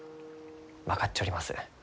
分かっちょります。